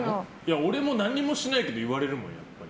俺も何もしないけど言われるもん。